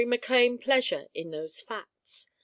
Mac Lane pleasure in those facts.